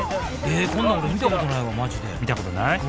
こんなん俺見たことないわマジで見たことない？